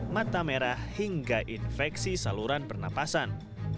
mata merah hingga infeksi saluran pernapasan